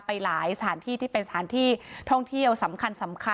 หลายสถานที่ที่เป็นสถานที่ท่องเที่ยวสำคัญ